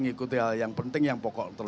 ikuti hal yang penting yang pokok terlebih dahulu